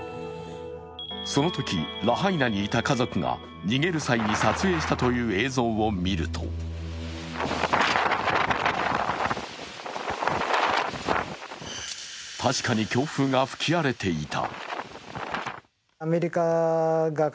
そのとき、ラハイナにいた家族が逃げる際に撮影したという映像を見ると確かに強風が吹き荒れていた。